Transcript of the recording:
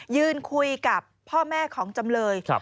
ยืนคุยกับพ่อแม่ของจำเลย